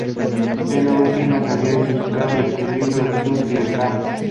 Esta última había ilustrado su libro "Sur le champ".